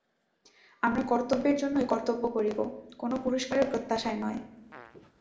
আমরা কর্তব্যের জন্যই কর্তব্য করিব, কোন পুরস্কারের প্রত্যাশায় নয়।